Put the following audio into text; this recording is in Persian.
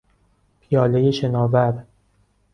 پیالهی شناور